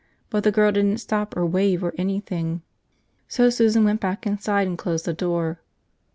But the girl didn't stop or wave or anything. So Susan went back inside and closed the door.